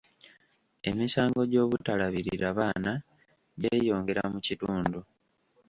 Emisango gy'obutalabirira baana gyeyongera mu kitundu.